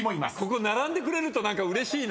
ここ並んでくれるとうれしいな。